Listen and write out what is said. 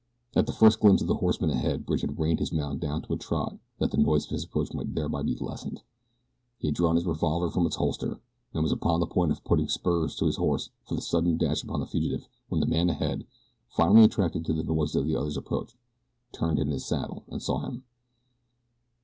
At the first glimpse of the horseman ahead Bridge had reined his mount down to a trot that the noise of his approach might thereby be lessened. He had drawn his revolver from its holster, and was upon the point of putting spurs to his horse for a sudden dash upon the fugitive when the man ahead, finally attracted by the noise of the other's approach, turned in his saddle and saw him.